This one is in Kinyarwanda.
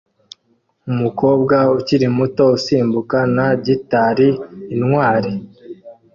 Umukobwa ukiri muto usimbuka na gitari Intwari